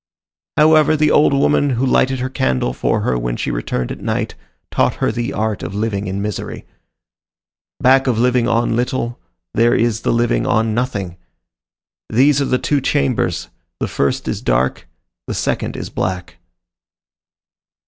However, the old woman who lighted her candle for her when she returned at night, taught her the art of living in misery. Back of living on little, there is the living on nothing. These are the two chambers; the first is dark, the second is black.